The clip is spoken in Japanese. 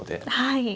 はい。